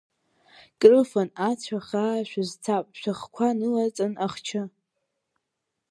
Крыфан ацәа-хаа шәазцап, шәыхқәа нылаҵан ахчы.